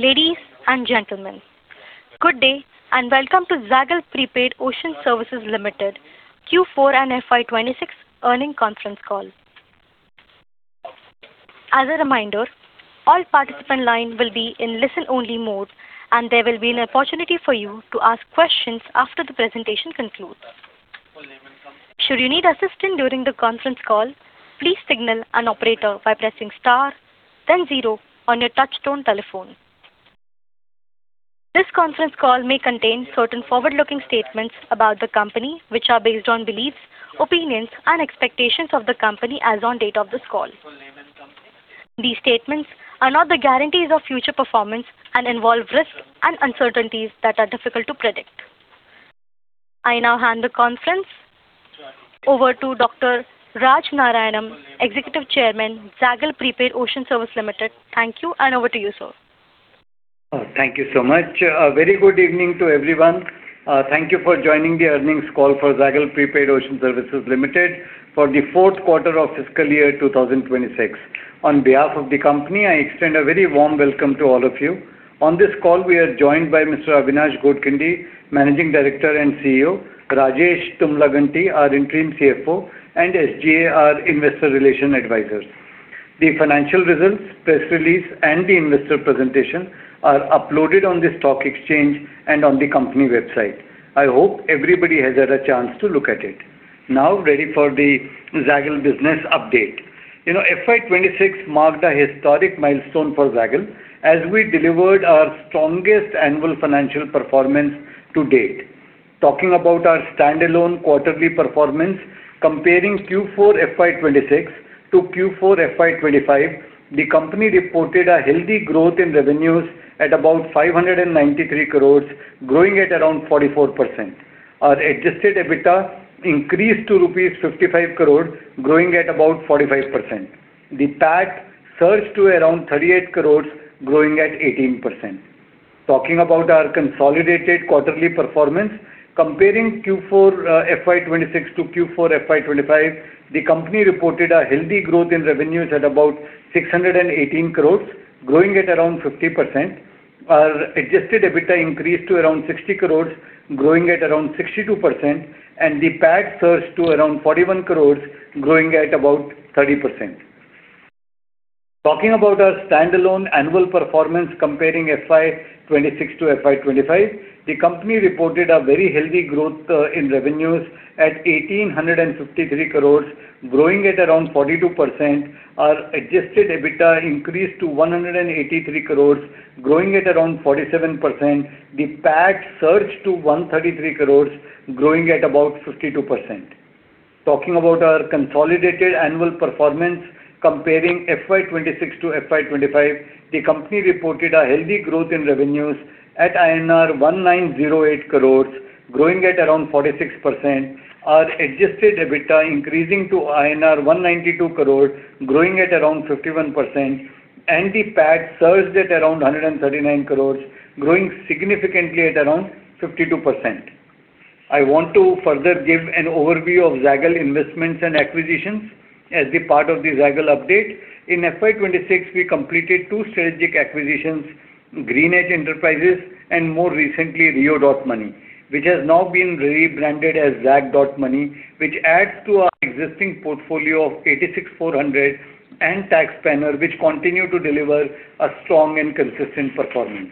Ladies and gentlemen, good day, and welcome to Zaggle Prepaid Ocean Services Limited Q4 and FY 2026 earnings conference call. This conference call may contain certain forward-looking statements about the company, which are based on beliefs, opinions, and expectations of the company as on date of this call. These statements are not the guarantees of future performance and involve risks and uncertainties that are difficult to predict. I now hand the conference over to Dr. Raj Narayanam, Executive Chairman, Zaggle Prepaid Ocean Services Limited. Thank you, and over to you, sir. Thank you so much. Very good evening to everyone. Thank you for joining the earnings call for Zaggle Prepaid Ocean Services Limited for the fourth quarter of fiscal year 2026. On behalf of the company, I extend a very warm welcome to all of you. On this call, we are joined by Mr. Avinash Godkhindi, Managing Director and CEO, Rajesh Tummalaganti, our Interim CFO, and SGA, our Investor Relations Advisor. The financial results, press release, and the investor presentation are uploaded on the stock exchange and on the company website. I hope everybody has had a chance to look at it. Now ready for the Zaggle business update. You know, FY 2026 marked a historic milestone for Zaggle as we delivered our strongest annual financial performance to date. Talking about our standalone quarterly performance, comparing Q4 FY 2026 to Q4 FY 2025, the company reported a healthy growth in revenues at about 593 crores, growing at around 44%. Our adjusted EBITDA increased to rupees 55 crore, growing at about 45%. The PAT surged to around 38 crores, growing at 18%. Talking about our consolidated quarterly performance, comparing Q4 FY 2026 to Q4 FY 2025, the company reported a healthy growth in revenues at about 618 crores, growing at around 50%. Our adjusted EBITDA increased to around 60 crores, growing at around 62%, and the PAT surged to around 41 crores, growing at about 30%. Talking about our standalone annual performance comparing FY 2026 to FY 2025, the company reported a very healthy growth in revenues at 1,853 crores, growing at around 42%. Our adjusted EBITDA increased to 183 crores, growing at around 47%. The PAT surged to 133 crores, growing at about 52%. Talking about our consolidated annual performance comparing FY 2026 to FY 2025, the company reported a healthy growth in revenues at INR 1,908 crores, growing at around 46%. Our adjusted EBITDA increasing to INR 192 crores, growing at around 51%. The PAT surged at around 139 crores, growing significantly at around 52%. I want to further give an overview of Zaggle investments and acquisitions as the part of the Zaggle update. In FY 2026, we completed two strategic acquisitions, GreenEdge Enterprises and more recently Rio.money, which has now been rebranded as Zag.money, which adds to our existing portfolio of 86400 and TaxSpanner, which continue to deliver a strong and consistent performance.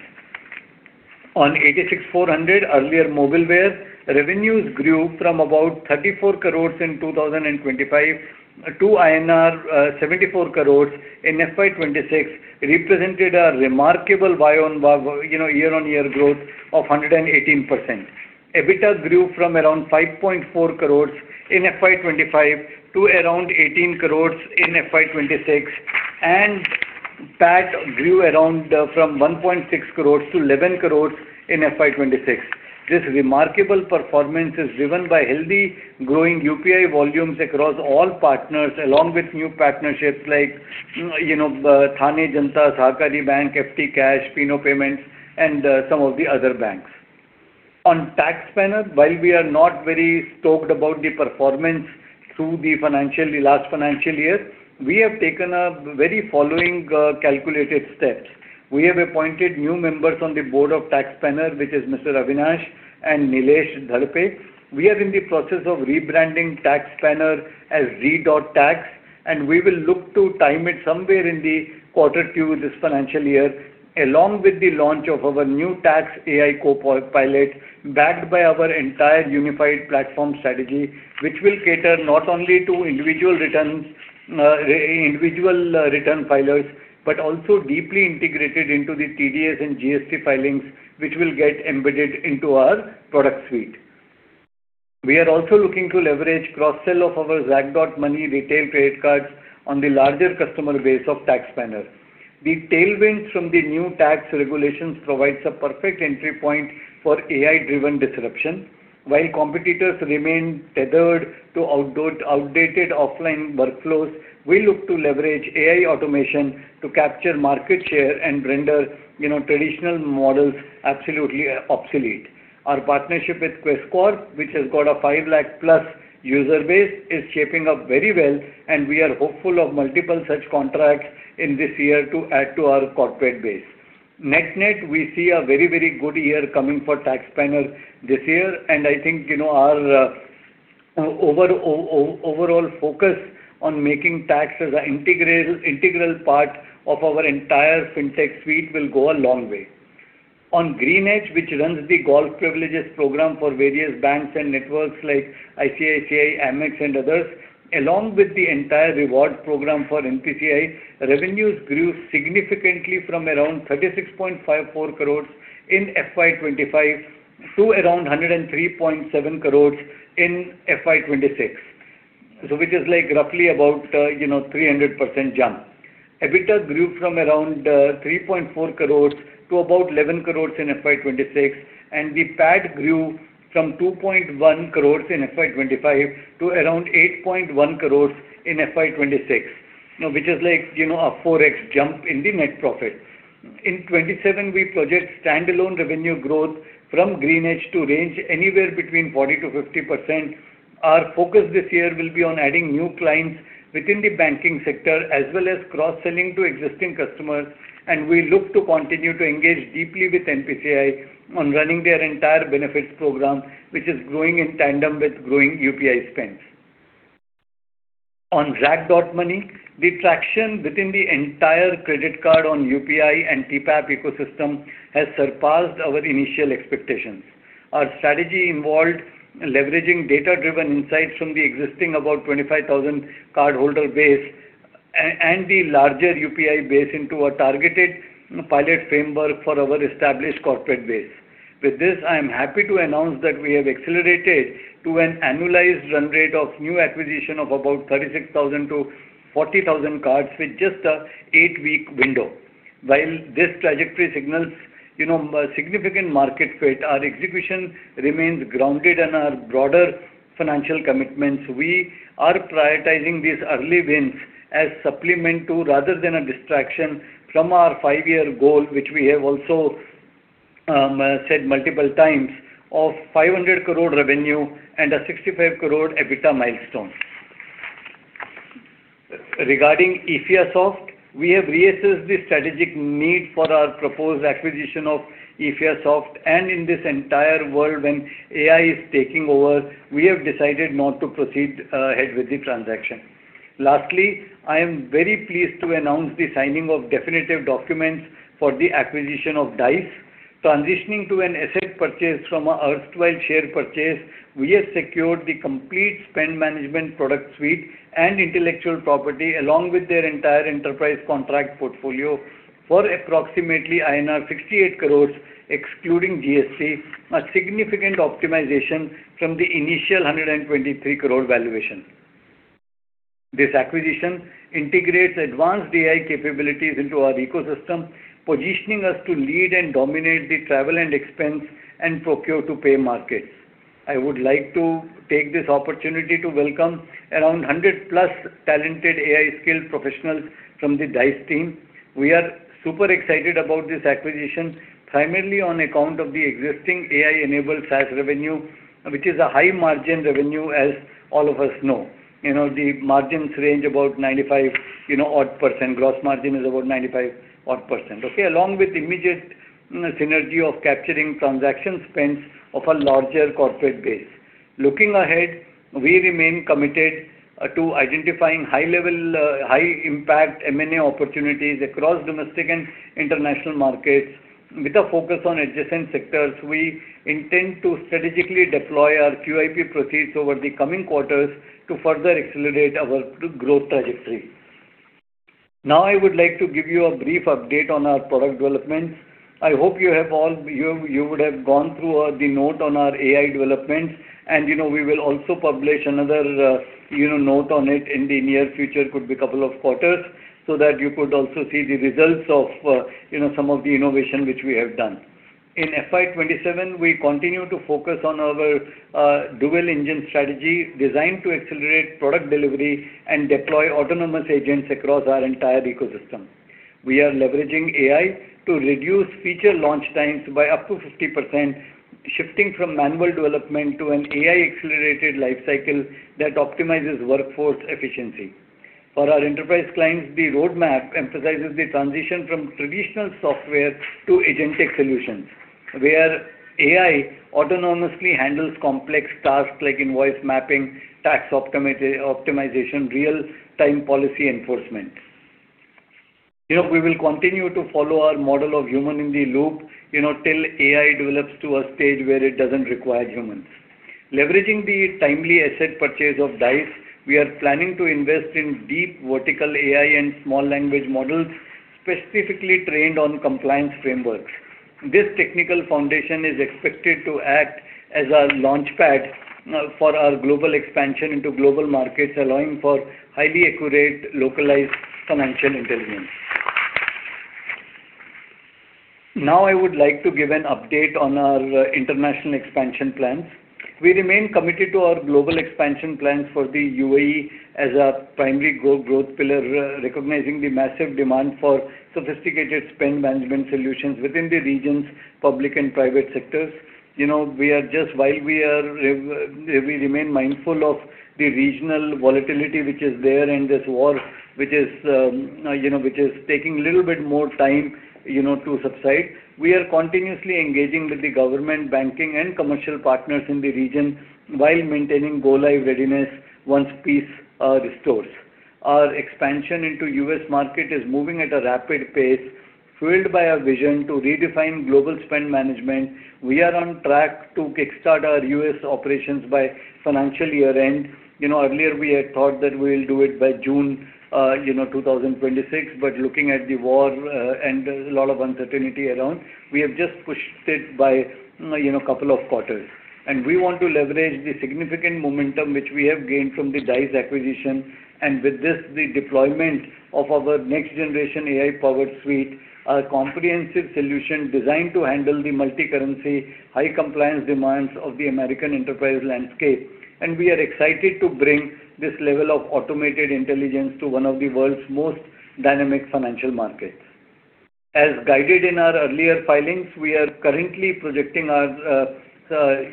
On 86400, earlier Mobileware, revenues grew from about 34 crores in 2025 to INR 74 crores in FY 2026, represented a remarkable, you know, year-on-year growth of 118%. EBITDA grew from around 5.4 crores in FY 2025 to around 18 crores in FY 2026. PAT grew around from 1.6 crores to 11 crores in FY 2026. This remarkable performance is driven by healthy growing UPI volumes across all partners along with new partnerships like, you know, Thane Janata Sahakari Bank, ftcash, Fino Payments, and some of the other banks. On TaxSpanner, while we are not very stoked about the performance through the last financial year, we have taken a very following calculated steps. We have appointed new members on the board of TaxSpanner, which is Mr. Avinash and Nilesh Dadpe. We are in the process of rebranding Tax Planner as Z.Tax. We will look to time it somewhere in the quarter two this financial year, along with the launch of our new tax AI co-pilot, backed by our entire unified platform strategy, which will cater not only to individual returns, individual return filers, but also deeply integrated into the TDS and GST filings, which will get embedded into our product suite. We are also looking to leverage cross-sell of our Zag.money retail trade cards on the larger customer base of Tax Planner. The tailwinds from the new tax regulations provides a perfect entry point for AI-driven disruption. While competitors remain tethered to outdated offline workflows, we look to leverage AI automation to capture market share and render, you know, traditional models absolutely obsolete. Our partnership with Quess Corp, which has got a 5 lakh plus user base, is shaping up very well. We are hopeful of multiple such contracts in this year to add to our corporate base. Net, net, we see a very, very good year coming for Tax Planner this year. I think, you know, our overall focus on making taxes a integral part of our entire Fintech suite will go a long way. On GreenEdge, which runs the golf privileges program for various banks and networks like ICICI, Amex and others, along with the entire reward program for NPCI, revenues grew significantly from around 36.54 crores in FY 2025 to around 103.7 crores in FY 2026. Which is like roughly about, you know, 300% jump. EBITDA grew from around 3.4 crores to about 11 crores in FY 2026, and the PAT grew from 2.1 crores in FY 2025 to around 8.1 crores in FY 2026. You know, which is like, you know, a 4x jump in the net profit. In 2027 we project standalone revenue growth from GreenEdge to range anywhere between 40%-50%. Our focus this year will be on adding new clients within the banking sector, as well as cross-selling to existing customers, and we look to continue to engage deeply with NPCI on running their entire benefits program, which is growing in tandem with growing UPI spends. On Zag.money, the traction within the entire credit card on UPI and TPAP ecosystem has surpassed our initial expectations. Our strategy involved leveraging data-driven insights from the existing about 25,000 cardholder base and the larger UPI base into a targeted pilot framework for our established corporate base. With this, I am happy to announce that we have accelerated to an annualized run rate of new acquisition of about 36,000 to 40,000 cards with just a 8-week window. While this trajectory signals, you know, significant market fit, our execution remains grounded in our broader financial commitments. We are prioritizing these early wins as supplement to rather than a distraction from our 5-year goal, which we have also said multiple times, of 500 crore revenue and a 65 crore EBITDA milestone. Regarding EffiaSoft, we have reassessed the strategic need for our proposed acquisition of EffiaSoft, and in this entire world when AI is taking over, we have decided not to proceed ahead with the transaction. Lastly, I am very pleased to announce the signing of definitive documents for the acquisition of Dice. Transitioning to an asset purchase from an erstwhile share purchase, we have secured the complete spend management product suite and intellectual property, along with their entire enterprise contract portfolio for approximately INR 68 crores, excluding GST, a significant optimization from the initial 123 crore valuation. This acquisition integrates advanced AI capabilities into our ecosystem, positioning us to lead and dominate the travel and expense and procure-to-pay markets. I would like to take this opportunity to welcome around 100-plus talented AI skilled professionals from the Dice team. We are super excited about this acquisition, primarily on account of the existing AI-enabled SaaS revenue, which is a high-margin revenue, as all of us know. You know, the margins range about 95 odd%. Gross margin is about 95 odd%, okay? Along with immediate synergy of capturing transaction spends of a larger corporate base. Looking ahead, we remain committed to identifying high-level, high-impact M&A opportunities across domestic and international markets. With a focus on adjacent sectors, we intend to strategically deploy our QIP proceeds over the coming quarters to further accelerate our growth trajectory. I would like to give you a brief update on our product developments. I hope you would have gone through the note on our AI developments. You know, we will also publish another, you know, note on it in the near future, could be 2 quarters, so that you could also see the results of, you know, some of the innovation which we have done. In FY 2027, we continue to focus on our dual engine strategy designed to accelerate product delivery and deploy autonomous agents across our entire ecosystem. We are leveraging AI to reduce feature launch times by up to 50%, shifting from manual development to an AI-accelerated life cycle that optimizes workforce efficiency. For our enterprise clients, the roadmap emphasizes the transition from traditional software to agentic solutions, where AI autonomously handles complex tasks like invoice mapping, tax optimization, real-time policy enforcement. You know, we will continue to follow our model of human-in-the-loop, you know, till AI develops to a stage where it doesn't require humans. Leveraging the timely asset purchase of Dice, we are planning to invest in deep vertical AI and small language models specifically trained on compliance frameworks. This technical foundation is expected to act as a launchpad for our global expansion into global markets, allowing for highly accurate localized financial intelligence. I would like to give an update on our international expansion plans. We remain committed to our global expansion plans for the UAE as our primary growth pillar, recognizing the massive demand for sophisticated spend management solutions within the region's public and private sectors. You know, While we are, we remain mindful of the regional volatility which is there and this war which is, you know, which is taking a little bit more time, you know, to subside. We are continuously engaging with the government, banking, and commercial partners in the region while maintaining go-live readiness once peace restores. Our expansion into U.S. market is moving at a rapid pace. Fueled by our vision to redefine global spend management, we are on track to kick-start our U.S. operations by financial year-end. Earlier, we had thought that we'll do it by June 2026, but looking at the war, and there's a lot of uncertainty around, we have just pushed it by 2 quarters. We want to leverage the significant momentum which we have gained from the Dice acquisition. With this, the deployment of our next-generation AI-powered suite, a comprehensive solution designed to handle the multi-currency, high compliance demands of the American enterprise landscape. We are excited to bring this level of automated intelligence to one of the world's most dynamic financial markets. As guided in our earlier filings, we are currently projecting our,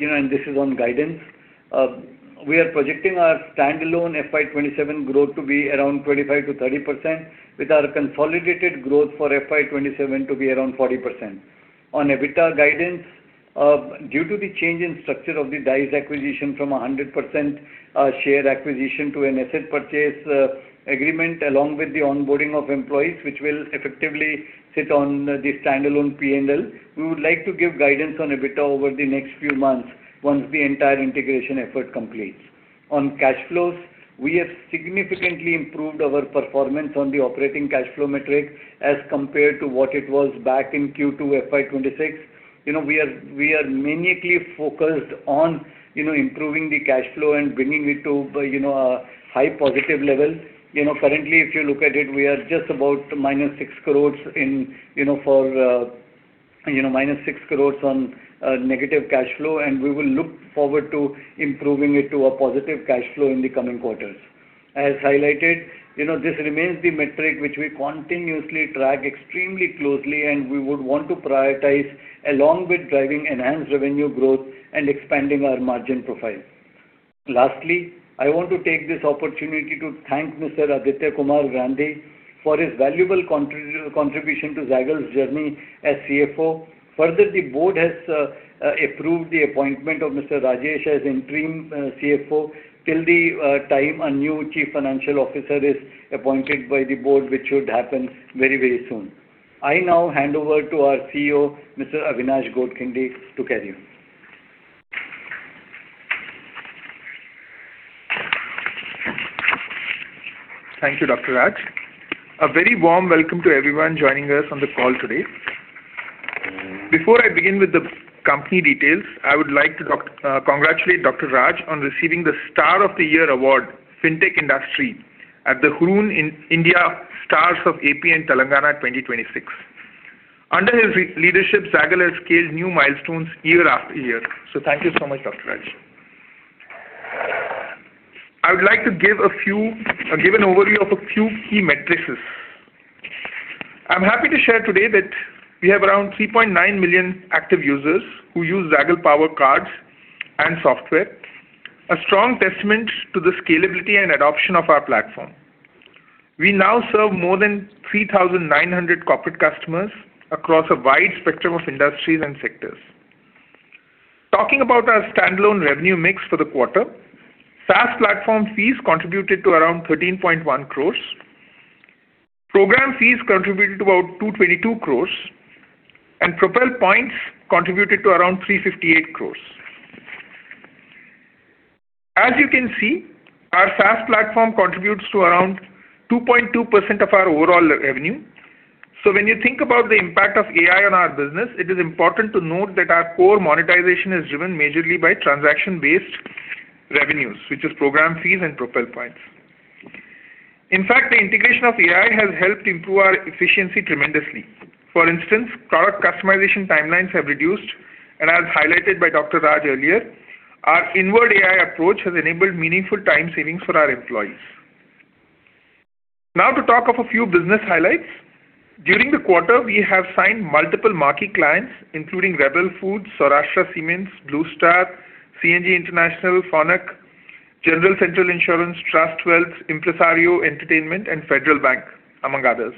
you know, this is on guidance. We are projecting our standalone FY 2027 growth to be around 25%-30%, with our consolidated growth for FY 2027 to be around 40%. On EBITDA guidance, due to the change in structure of the Dice acquisition from a 100% share acquisition to an asset purchase agreement, along with the onboarding of employees, which will effectively sit on the standalone P&L, we would like to give guidance on EBITDA over the next few months once the entire integration effort completes. On cash flows, we have significantly improved our performance on the operating cash flow metric as compared to what it was back in Q2 FY 2026. You know, we are minutely focused on, you know, improving the cash flow and bringing it to a high positive level. You know, currently, if you look at it, we are just about minus 6 crores on negative cash flow, and we will look forward to improving it to a positive cash flow in the coming quarters. As highlighted, you know, this remains the metric which we continuously track extremely closely, and we would want to prioritize along with driving enhanced revenue growth and expanding our margin profile. Lastly, I want to take this opportunity to thank Venkata Aditya Kumar Grandhi for his valuable contribution to Zaggle's journey as CFO. The board has approved the appointment of Mr. Rajesh as interim CFO till the time a new Chief Financial Officer is appointed by the board, which should happen very, very soon. I now hand over to our CEO, Avinash Godkhindi, to carry on. Thank you, Dr. Raj. A very warm welcome to everyone joining us on the call today. Before I begin with the company details, I would like to congratulate Dr. Raj on receiving the Star of the Year award, Fintech Industry, at the Hurun India Stars of AP & Telangana 2026. Under his re-leadership, Zaggle has scaled new milestones year after year. Thank you so much, Dr. Raj. I would like to give an overview of a few key metrics. I'm happy to share today that we have around 3.9 million active users who use Zaggle Power Cards and software, a strong testament to the scalability and adoption of our platform. We now serve more than 3,900 corporate customers across a wide spectrum of industries and sectors. Talking about our standalone revenue mix for the quarter, SaaS platform fees contributed to around 13.1 crore. Program fees contributed about 222 crore. Propel Points contributed to around 358 crore. As you can see, our SaaS platform contributes to around 2.2% of our overall revenue. When you think about the impact of AI on our business, it is important to note that our core monetization is driven majorly by transaction-based revenues, which is program fees and Propel Points. In fact, the integration of AI has helped improve our efficiency tremendously. For instance, product customization timelines have reduced. As highlighted by Dr. Raj earlier, our inward AI approach has enabled meaningful time savings for our employees. Now to talk of a few business highlights. During the quarter, we have signed multiple marquee clients, including Rebel Foods, Saurashtra Cements, Blue Star, CNH Industrial, Phonak, Centrum General Insurance, Trust Wealth, Impresario Entertainment, and Federal Bank, among others.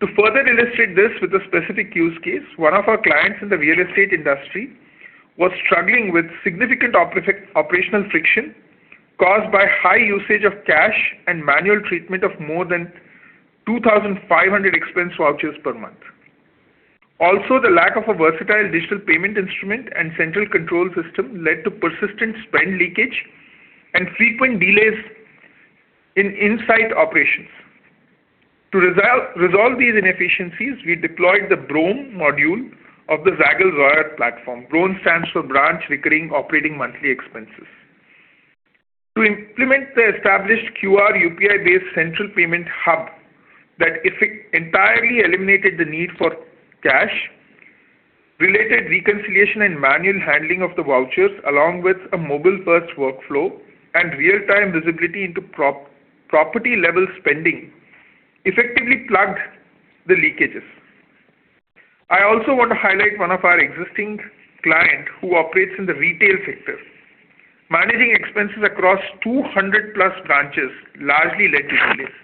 To further illustrate this with a specific use case, one of our clients in the real estate industry was struggling with significant operational friction caused by high usage of cash and manual treatment of more than 2,500 expense vouchers per month. The lack of a versatile digital payment instrument and central control system led to persistent spend leakage and frequent delays in in-site operations. To resolve these inefficiencies, we deployed the BROME module of the Zaggle ROAR platform. BROME stands for Branch Recurring Operating Monthly expenses. To implement the established QR UPI-based central payment hub that entirely eliminated the need for cash, related reconciliation and manual handling of the vouchers, along with a mobile-first workflow and real-time visibility into property level spending, effectively plugged the leakages. I also want to highlight one of our existing client who operates in the retail sector, managing expenses across 200+ branches, largely led to delays,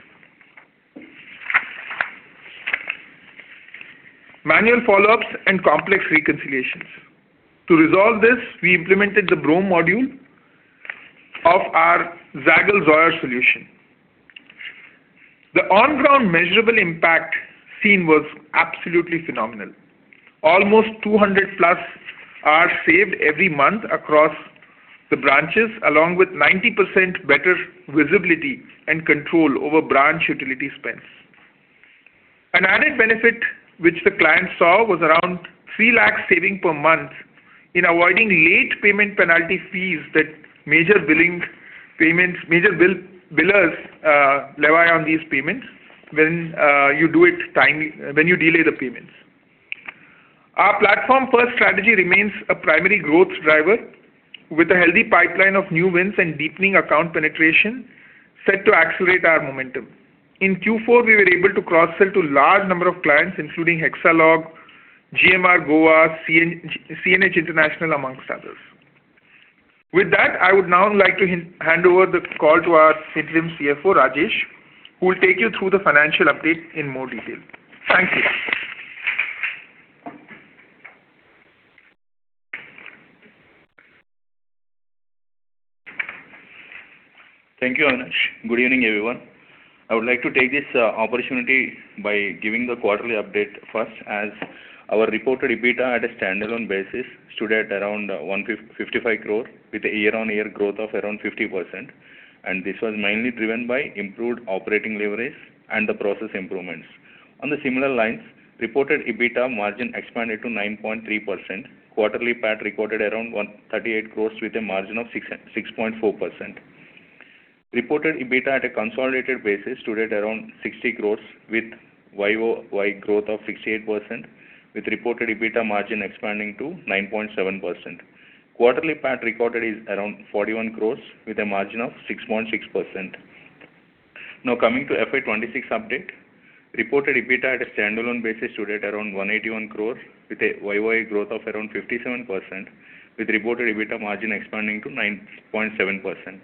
manual follow-ups and complex reconciliations. To resolve this, we implemented the BROM module of our Zaggle Zoyer solution. The on-ground measurable impact seen was absolutely phenomenal. Almost 200+ are saved every month across the branches, along with 90% better visibility and control over branch utility spends. An added benefit which the client saw was around 3 lakhs saving per month in avoiding late payment penalty fees that major billing payments, major billers levy on these payments when you do it timely when you delay the payments. Our platform-first strategy remains a primary growth driver with a healthy pipeline of new wins and deepening account penetration set to accelerate our momentum. In Q4, we were able to cross-sell to large number of clients, including Hexalog, GMR Goa, CNH International, amongst others. With that, I would now like to hand over the call to our Interim CFO, Rajesh, who will take you through the financial update in more detail. Thank you. Thank you, Anuj. Good evening, everyone. I would like to take this opportunity by giving the quarterly update first as our reported EBITDA at a standalone basis stood at around 55 crore with a year-on-year growth of around 50%. This was mainly driven by improved operating leverage and the process improvements. On the similar lines, reported EBITDA margin expanded to 9.3%. Quarterly PAT recorded around 38 crore with a margin of 6.4%. Reported EBITDA at a consolidated basis stood at around 60 crore with Y-O-Y growth of 68% with reported EBITDA margin expanding to 9.7%. Quarterly PAT recorded is around 41 crore with a margin of 6.6%. Coming to FY 2026 update. Reported EBITDA at a standalone basis stood at around 181 crore with a year-on-year growth of around 57% with reported EBITDA margin expanding to 9.7%.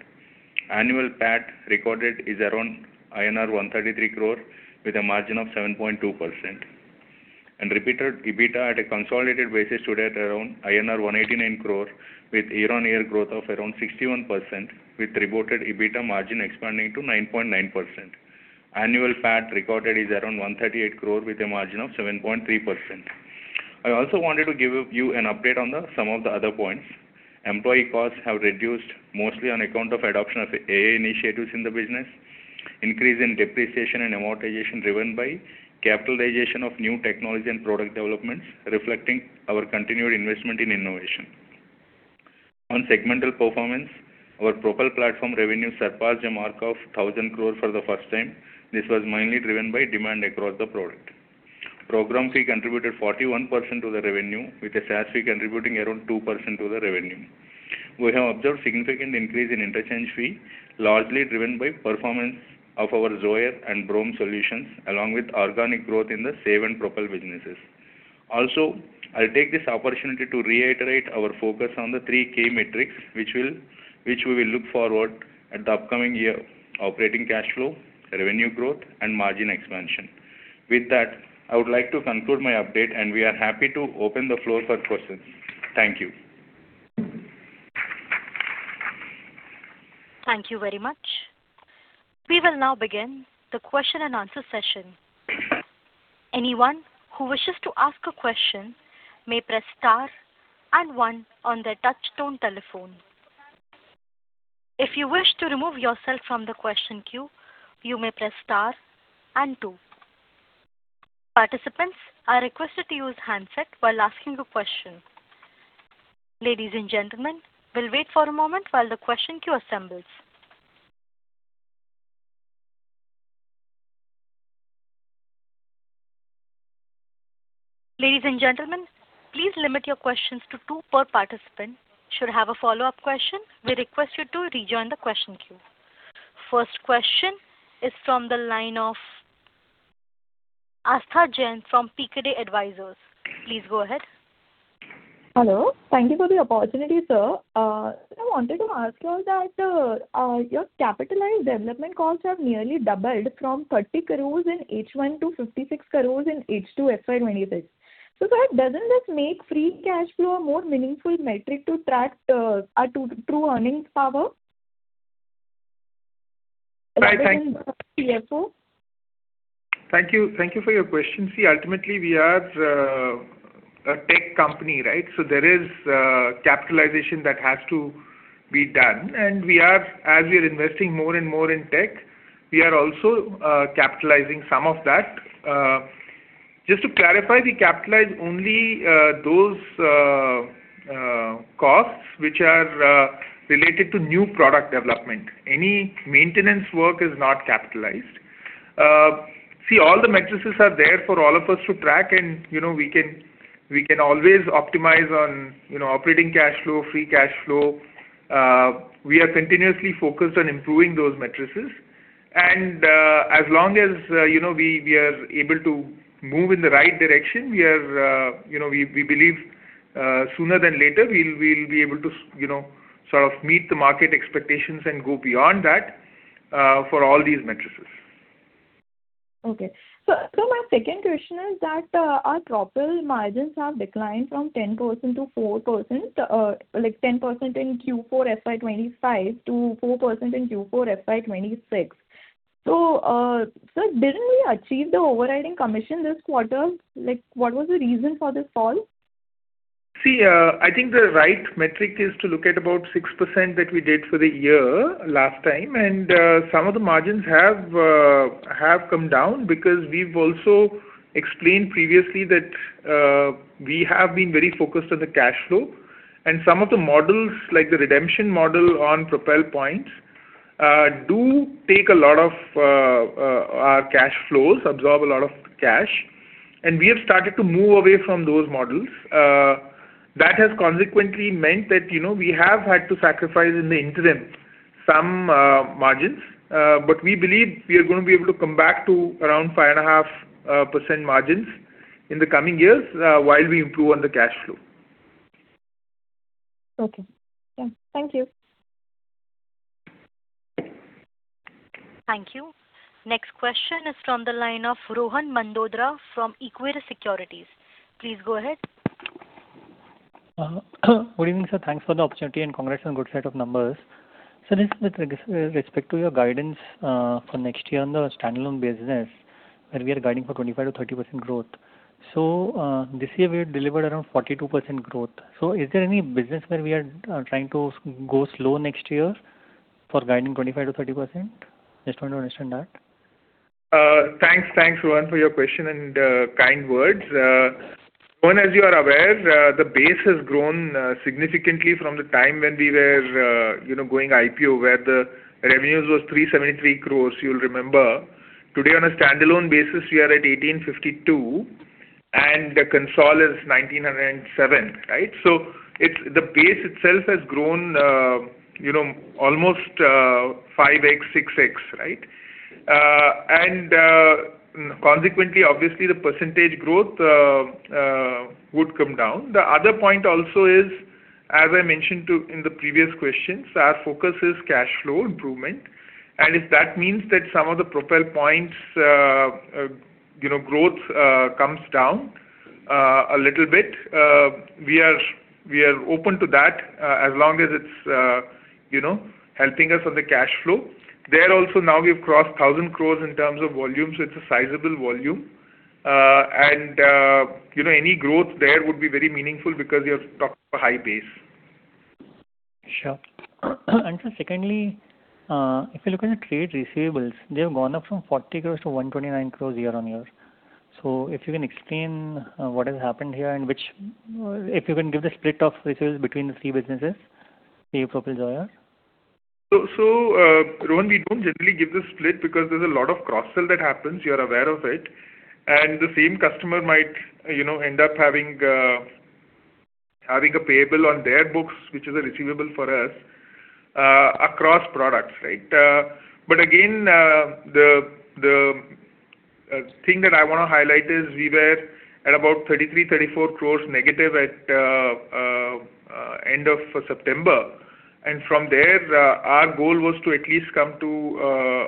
Annual PAT recorded is around INR 133 crore with a margin of 7.2%. EBITDA at a consolidated basis stood at around INR 189 crore with year-on-year growth of around 61% with reported EBITDA margin expanding to 9.9%. Annual PAT recorded is around 138 crore with a margin of 7.3%. I also wanted to give you an update on some of the other points. Employee costs have reduced mostly on account of adoption of AI initiatives in the business. Increase in depreciation and amortization driven by capitalization of new technology and product developments reflecting our continued investment in innovation. On segmental performance, our Propel platform revenue surpassed a mark of 1,000 crore for the first time. This was mainly driven by demand across the products. Program fee contributed 41% to the revenue, with a SaaS fee contributing around 2% to the revenue. We have observed significant increase in interchange fees, largely driven by performance of our Zoyer and BROME solutions, along with organic growth in the Save and Propel businesses. Also, I'll take this opportunity to reiterate our focus on the three key metrics, which we will look forward at the upcoming year: operating cash flow, revenue growth, and margin expansion. With that, I would like to conclude my update; we are happy to open the floor for questions. Thank you. Thank you very much. We will now begin the question-and-answer session. Anyone who wishes to ask a question may press star and one on their touch-tone telephone. If you wish to remove yourself from the question queue, you may press star and two. Participants are requested to use handset while asking a question. Ladies and gentlemen, we'll wait for a moment while the question queue assembles. Ladies and gentlemen, please limit your questions to two per participant. Should have a follow-up question, we request you to rejoin the question queue. First question is from the line of Aastha Jain from Pkeday Advisors. Please go ahead. Hello. Thank you for the opportunity, sir. I wanted to ask you that your capitalized development costs have nearly doubled from 30 crores in H1 to 56 crores in H2 FY 2026. Sir, doesn't this make free cash flow a more meaningful metric to track our true earnings power? Hi, thank- Other than CFO. Thank you. Thank you for your question. Ultimately we are a tech company, right? There is capitalization that has to be done. As we are investing more and more in tech, we are also capitalizing some of that. Just to clarify, we capitalize only those costs which are related to new product development. Any maintenance work is not capitalized. All the matrices are there for all of us to track, and, you know, we can always optimize on, you know, operating cash flow, free cash flow. We are continuously focused on improving those matrices. As long as, you know, we are able to move in the right direction, we believe, sooner than later, we'll be able to, you know, sort of meet the market expectations and go beyond that for all these metrics. Okay. My second question is that our Propel margins have declined from 10%-4%. Like 10% in Q4 FY 2025-4% in Q4 FY 2026. Sir, didn't we achieve the overriding commission this quarter? Like, what was the reason for this fall? See, I think the right metric is to look at about 6% that we did for the year last time. Some of the margins have come down because we've also explained previously that we have been very focused on the cash flow. Some of the models, like the redemption model on Propel points, do take a lot of our cash flows, absorb a lot of cash. We have started to move away from those models. That has consequently meant that, you know, we have had to sacrifice in the interim some margins. We believe we are gonna be able to come back to around 5.5% margins in the coming years while we improve on the cash flow. Okay. Yeah. Thank you. Thank you. Next question is from the line of Rohan Mandora from Equirus Securities. Please go ahead. Good evening, sir. Thanks for the opportunity, and congrats on good set of numbers. This is with respect to your guidance for next year on the standalone business, where we are guiding for 25%-30% growth. This year we have delivered around 42% growth. Is there any business where we are trying to go slow next year for guiding 25%-30%? Just want to understand that. Thanks. Thanks, Rohan, for your question and kind words. Rohan, as you are aware, the base has grown significantly from the time when we were, you know, going IPO, where the revenues was 373 crores, you'll remember. Today, on a standalone basis, we are at 1,852, and the console is 1,907, right? So it's the base itself has grown, you know, almost 5x, 6x, right? Consequently, obviously, the percentage growth would come down. The other point also is, as I mentioned in the previous questions, our focus is cash flow improvement. If that means that some of the Propel points, you know, growth comes down a little bit, we are open to that as long as it's, you know, helping us on the cash flow. There also now we've crossed 1,000 crores in terms of volume, so it's a sizable volume. Any growth there would be very meaningful because you're talking about a high base. Sure. Sir, secondly, if you look at the trade receivables, they have gone up from 40 crores to 129 crores year-on-year. If you can explain what has happened here and, if you can, give the split of receivables between the three businesses, PayU, Propel, Zoyer. Rohan Mandora, we don't generally give the split because there's a lot of cross-sell that happens; you're aware of it. The same customer might, you know, end up having a payable on their books, which is a receivable for us across products, right? Again, the thing that I wanna highlight is we were at about 33 crore-34 crore negative at end of September. From there, our goal was to at least come to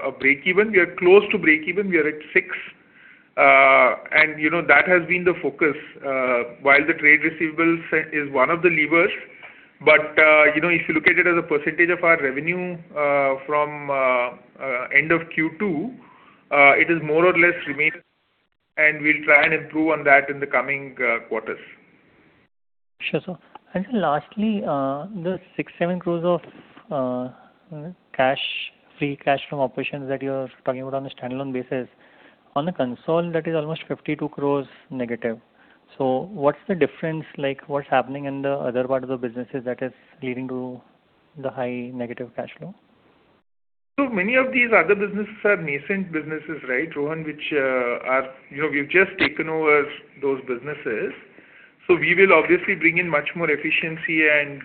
a break-even. We are close to break-even. We are at 6 crore. You know, that has been the focus while the trade receivables is one of the levers. You know, if you look at it as a percentage of our revenue from end of Q2, it is more or less remained, and we'll try and improve on that in the coming quarters. Sure, sir. Lastly, the 6-7 crores of cash, free cash from operations that you are talking about on a standalone basis. On a consol, that is almost 52- crores. What's the difference, like, what's happening in the other part of the businesses that is leading to the high negative cash flow? Many of these other businesses are nascent businesses, right, Rohan? Which, you know, we've just taken over those businesses. We will obviously bring in much more efficiency and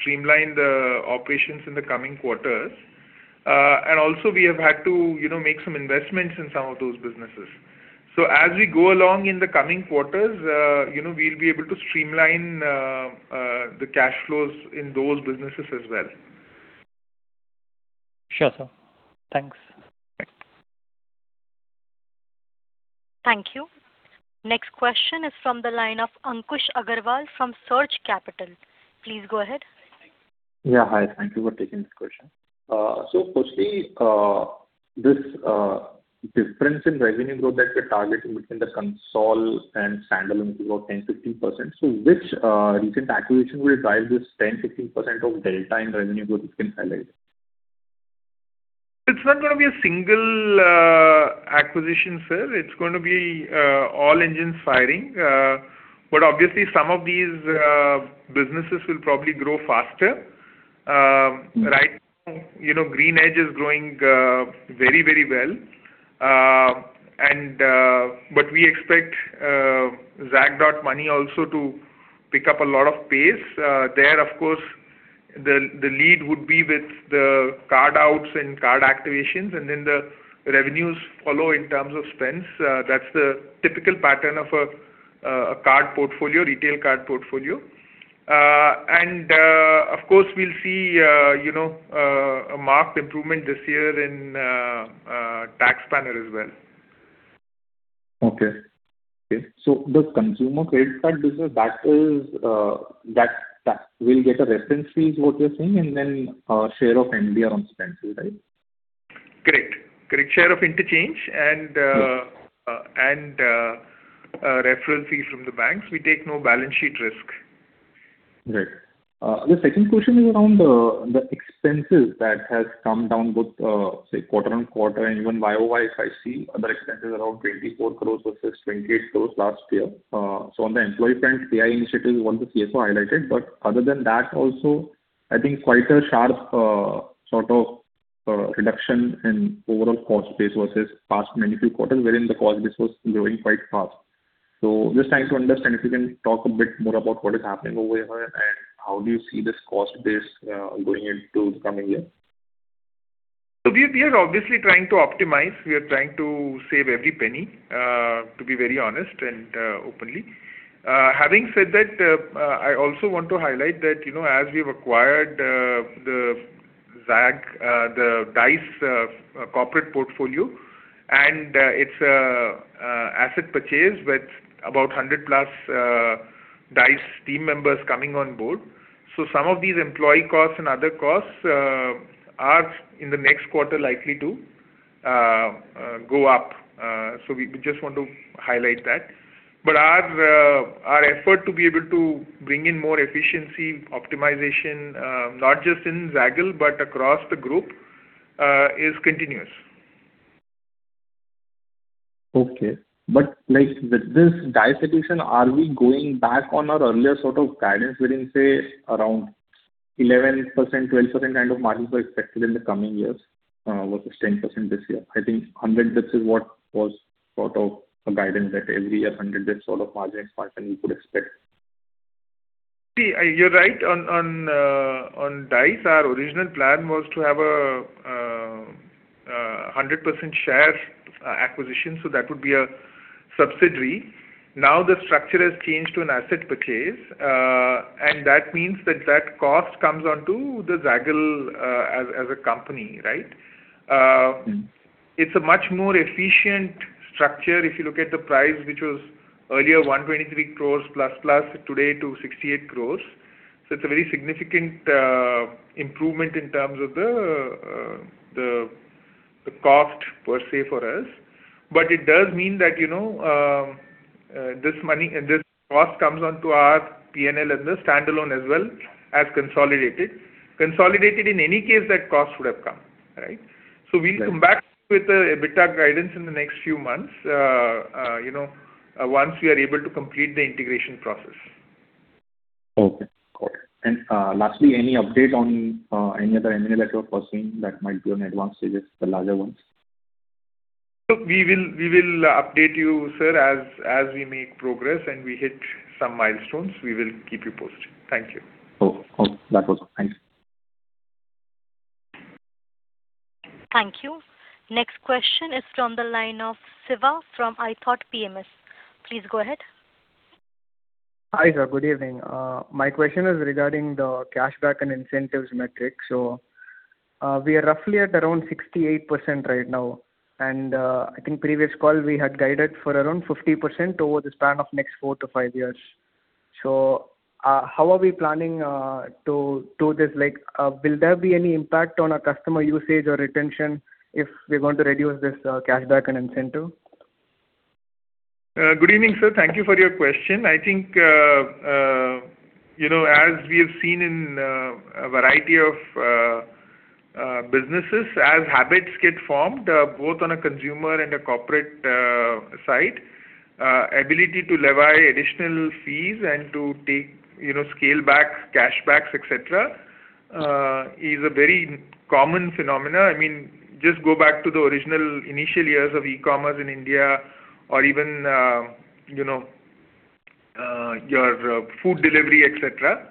streamline the operations in the coming quarters. Also, we have had to, you know, make some investments in some of those businesses. As we go along in the coming quarters, you know, we'll be able to streamline the cash flows in those businesses as well. Sure, sir. Thanks. Okay. Thank you. Next question is from the line of Ankush Agrawal from Surge Capital. Please go ahead. Yeah, hi. Thank you for taking this question. Firstly, this difference in revenue growth that you're targeting between the consolidated and standalone is about 10-15%. Which recent acquisition will drive this 10-15% delta in revenue growth, if you can highlight it? It's not gonna be a single acquisition, sir. It's going to be all engines firing. Obviously some of these businesses will probably grow faster. Right now, you know, Greenedge is growing very, very well. And we expect Zag.money also to pick up a lot of pace. There, of course, the lead would be with the card outs and card activations, and then the revenues follow in terms of spends. That's the typical pattern of a card portfolio, retail card portfolio. And of course, we'll see, you know, a marked improvement this year in TaxSpanner as well. Okay. Okay. The consumer credit card business, that is, that will get a reference fee, what you're saying, and then a share of NB on spends fee, right? Correct. Share of interchange and. Yes. reference fees from the banks. We take no balance sheet risk. Right. The second question is around the expenses that have come down both quarter-on-quarter and even YoY; if I see, the expense is around 24 crores versus 28 crores last year. On the employee front, CI initiative is one the CFO highlighted, but other than that also, I think quite a sharp reduction in overall cost base versus past many few quarters, wherein the cost base was growing quite fast. Trying to understand if you can talk a bit more about what is happening over here and how do you see this cost base going into the coming year? We are obviously trying to optimize. We are trying to save every penny, to be very honest and open. Having said that, I also want to highlight that, you know, as we've acquired the Dice Enterprises corporate portfolio, it's an asset purchase with about 100+ Dice Enterprises team members coming on board. Some of these employee costs and other costs are in the next quarter. We just want to highlight that. Our effort to be able to bring in more efficiency and optimization, not just in Zaggle but across the group, is continuous. Okay. Like, with this Dice acquisition, are we going back on our earlier sort of guidance within, say, around 11%,-12% kind of margins are expected in the coming years, versus 10% this year? I think 100 bps is what was sort of the guidance that every year 100 bps sort of margin expansion we could expect. See, you're right on Dice. Our original plan was to have a 100% share acquisition, so it would be a subsidiary. Now the structure has changed to an asset purchase, and that means that that cost comes onto the Zaggle as a company, right? It's a much more efficient structure if you look at the price, which was earlier 123+ crores today-INR 68 crores. It's a very significant improvement in terms of the cost per se for us. It does mean that, you know, this money, this cost, comes onto our P&L as a standalone as well as consolidated. Consolidated, in any case, that cost would have come, right? Right. We'll come back with the EBITDA guidance in the next few months, you know, once we are able to complete the integration process. Okay. Got it. Lastly, any update on any other M&A that you are pursuing that might be on advanced stages, the larger ones? Look, we will update you, sir, as we make progress and we hit some milestones. We will keep you posted. Thank you. Okay. Okay. That was all. Thanks. Thank you. Next question is from the line of Siva from ithought PMS. Please go ahead. Hi, sir. Good evening. My question is regarding the cashback and incentives metrics. We are roughly at around 68% right now, and I think previous call we had guided for around 50% over the span of next 4-5 years. How are we planning to do this? Like, will there be any impact on our customer usage or retention if we're going to reduce this cashback and incentive? Good evening, sir. Thank you for your question. I think, you know, as we have seen in a variety of businesses, as habits get formed, both on a consumer and a corporate side, ability to levy additional fees and to take, you know, scale backs, cash backs, et cetera, is a very common phenomenon. I mean, just go back to the original initial years of e-commerce in India or even, you know, your food delivery, et cetera,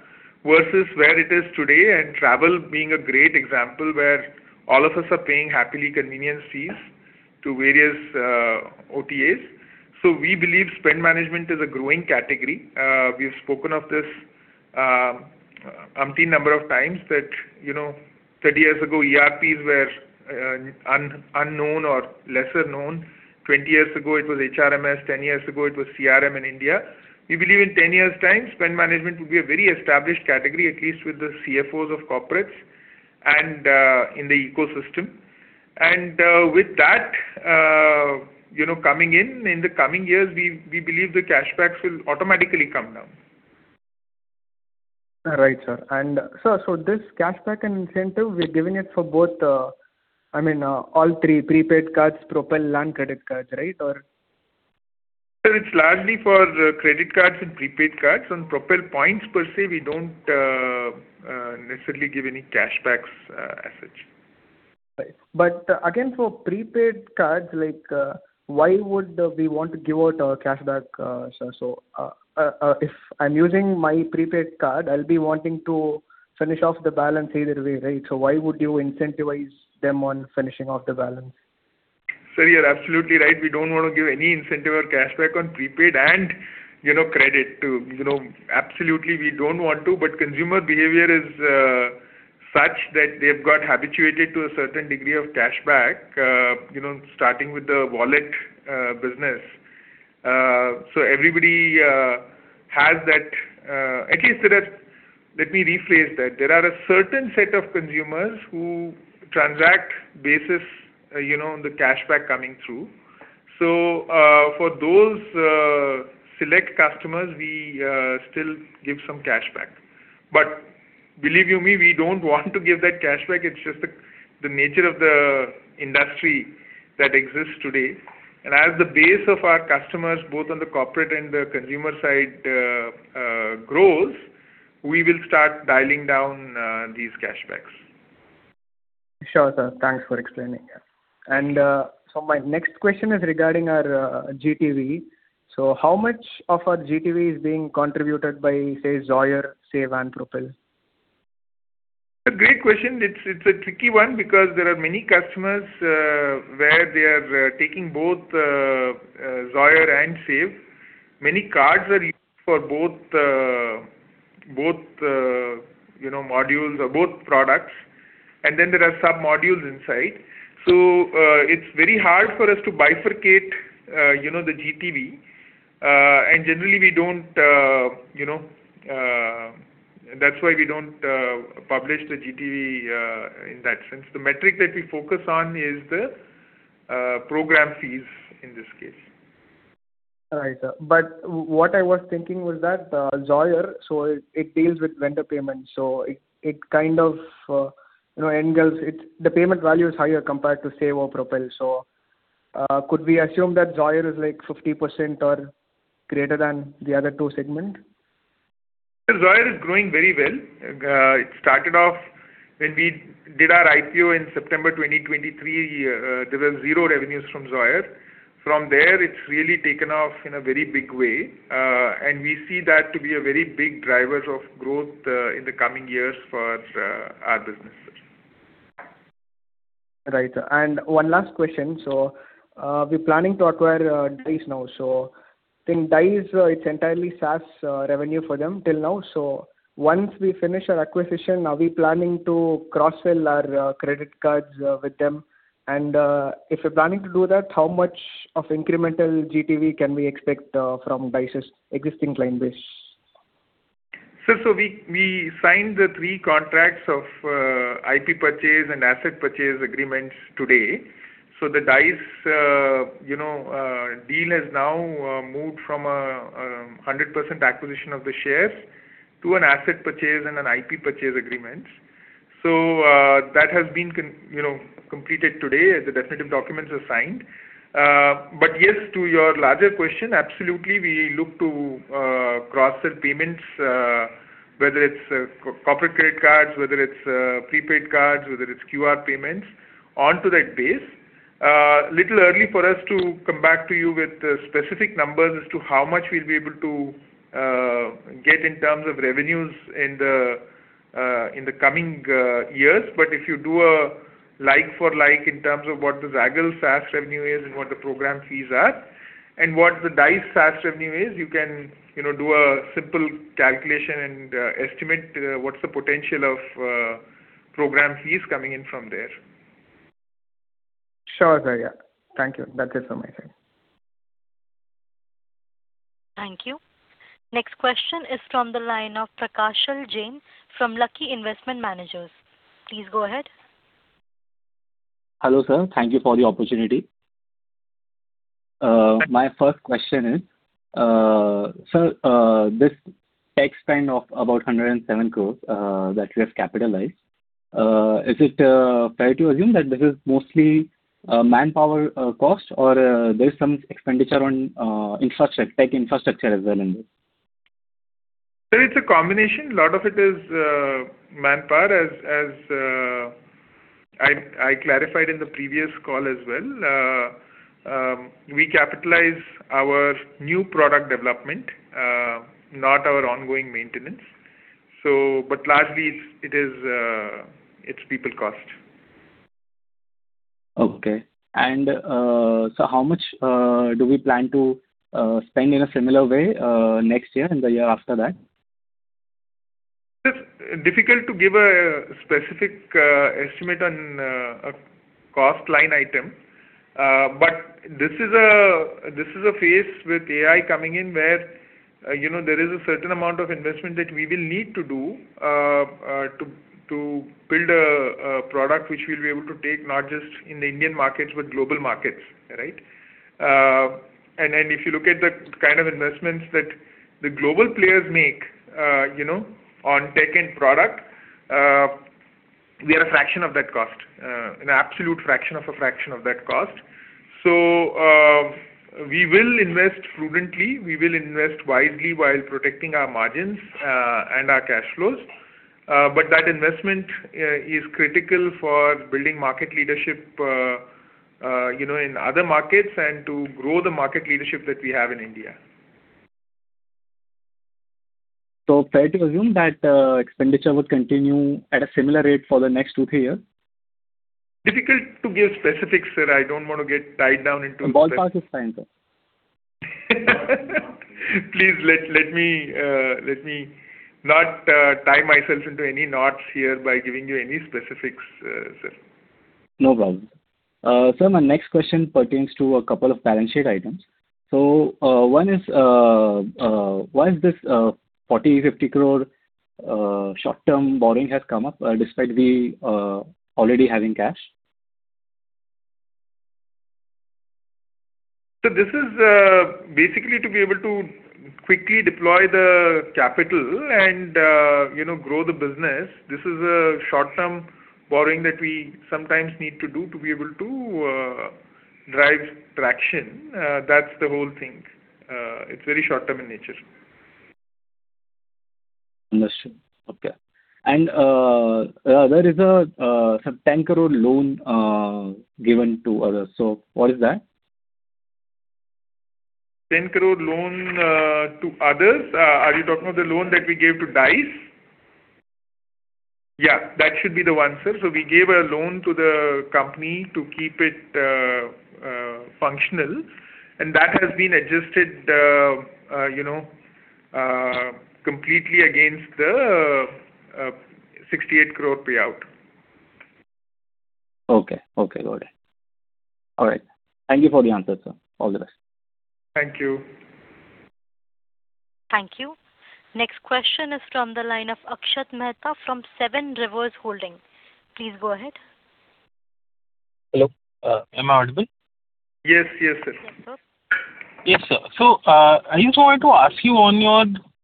versus where it is today, and travel being a great example where all of us are paying happily convenience fees to various OTAs. We believe spend management is a growing category. We've spoken of this umpteen number of times, that, you know, 30 years ago, ERPs were unknown or lesser known. 20 years ago, it was HRMS. 10 years ago, it was CRM in India. We believe in 10 years' time, spend management will be a very established category, at least with the CFOs of corporates and in the ecosystem. With that, you know, coming in the coming years, we believe the cashbacks will automatically come down. Right, sir. Sir, this cashback and incentive, we're giving it for both, I mean, all three: prepaid cards, Propel, and credit cards, right? Sir, it's largely for credit cards and prepaid cards. On Propel points per se, we don't necessarily give any cashbacks as such. Right. Again, for prepaid cards, like, why would we want to give out a cashback, sir? If I'm using my prepaid card, I'll be wanting to finish off the balance either way, right? Why would you incentivize them to finish off the balance? Sir, you're absolutely right. We don't want to give any incentive or cashback on prepaid and, you know, credit. You know, absolutely, we don't want to, consumer behavior is such that they've got habituated to a certain degree of cash back, you know, starting with the wallet business. Everybody has that. Let me rephrase that. There is a certain set of consumers who transact basis, you know, on the cashback coming through. For those select customers, we still give some cash back. Believe you me, we don't want to give that cash back. It's just the nature of the industry that exists today. As the base of our customers, both on the corporate and the consumer side, grows, we will start dialing down these cashbacks. Sure, sir. Thanks for explaining. Yeah. My next question is regarding our GTV. How much of our GTV is being contributed by, say, Zoyer, SAVE, and Propel? Great question. It's a tricky one because there are many customers where they are taking both Zoyer and SAVE. Many cards are used for both, you know, modules or both products, and then there are sub-modules inside. It's very hard for us to bifurcate, you know, the GTV. Generally we don't, you know. That's why we don't publish the GTV in that sense. The metric that we focus on is the program fees in this case. All right, sir. What I was thinking was that, Zoyer, it deals with vendor payments; it kind of, you know, engulfs it. The payment value is higher compared to Save or Propel. Could we assume that Zoyer is, like, 50% or greater than the other two segments? Zoyer is growing very well. It started off when we did our IPO in September 2023, there were 0 revenues from Zoyer. From there, it's really taken off in a very big way. We see that to be a very big drivers of growth in the coming years for our business, sir. Right. One last question. We're planning to acquire Dice now. I think, Dice, it's entirely SaaS revenue for them till now. Once we finish our acquisition, are we planning to cross-sell our credit cards with them? If we're planning to do that, how much of incremental GTV can we expect from Dice's existing client base? Sir, we signed the three contracts of IP purchase and asset purchase agreements today. The Dice, you know, deal has now moved from 100% acquisition of the shares to an asset purchase and IP purchase agreements. That has been, you know, completed today. The definitive documents are signed. Yes, to your larger question, absolutely, we look to cross-sell payments, whether it's corporate credit cards, whether it's prepaid cards, or whether it's QR payments onto that base. Little early for us to come back to you with specific numbers as to how much we'll be able to get in terms of revenues in the coming years. If you do a like-for-like in terms of what the Zaggle SaaS revenue is and what the program fees are and what the Dice SaaS revenue is, you can, you know, do a simple calculation and estimate what's the potential of program fees coming in from there. Sure, sir. Yeah. Thank you. That's it from my side. Thank you. Next question is from the line of Prakshal Jain from Lucky Investment Managers. Please go ahead. Hello, sir. Thank you for the opportunity. My first question is, sir, this tech spend of about 107 crores that you have capitalized, is it fair to assume that this is mostly manpower cost, or is there some expenditure on tech infrastructure as well in this? Sir, it's a combination. A lot of it is manpower. As I clarified in the previous call as well, we capitalize our new product development, not our ongoing maintenance. Largely it is people's cost. Okay. How much do we plan to spend in a similar way next year and the year after that? It's difficult to give a specific estimate on a cost line item. But this is a phase with AI coming in where, you know, there is a certain amount of investment that we will need to do to build a product which we'll be able to take not just in the Indian markets but in global markets, right? And then if you look at the kind of investments that the global players make, you know, on tech and product, we are a fraction of that cost, an absolute fraction of a fraction of that cost. We will invest prudently. We will invest wisely while protecting our margins and our cash flows. That investment is critical for building market leadership, you know, in other markets and to grow the market leadership that we have in India. Fair to assume that expenditure would continue at a similar rate for the next two or three years? Difficult to give specifics, sir. I don't want to get tied down. A ball pass is fine, sir. Please let me, let me not tie myself into any knots here by giving you any specifics, sir. No problem. Sir, my next question pertains to a couple of balance sheet items. One is, why has this 40-50 crore short-term borrowing come up, despite us already having cash? This is, basically, to be able to quickly deploy the capital and, you know, grow the business. This is a short-term borrowing that we sometimes need to do to be able to drive traction. That's the whole thing. It's very short-term in nature. Understood. Okay. There is a some INR 10 crore loan given to others. What is that? 10 crore loan to others? Are you talking of the loan that we gave to Dice? Yeah, that should be the one, sir. We gave a loan to the company to keep it functional, and that has been adjusted, you know, completely against the 68 crore payout. Okay. Okay, got it. All right. Thank you for the answers, sir. All the best. Thank you. Thank you. Next question is from the line of Akshat Mehta from Seven Rivers Holding. Please go ahead. Hello. Am I audible? Yes. Yes, sir. Yes, sir. Yes, sir. I just wanted to ask you